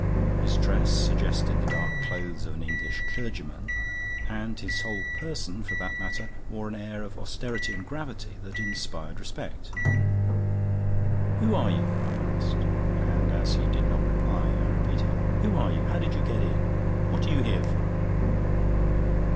His dress suggested the dark clothes of an English clergyman; and his whole person, for that matter, wore an air of austerity and gravity that inspired respect. "Who are you?" I asked. And, as he did not reply, I repeated, "Who are you? How did you get in? What are you here for?"